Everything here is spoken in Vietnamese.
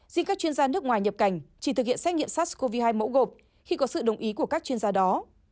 riêng các chuyên gia nước ngoài nhập cảnh chỉ thực hiện xét nghiệm sars cov hai mẫu gộp khi có sự đồng ý của các chuyên gia đó